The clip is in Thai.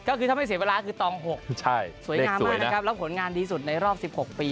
ก็คือถ้าไม่เสียเวลาคืตองค่ะเสียงมากแล้วผลงานดีสุดในรอบ๑๖ปี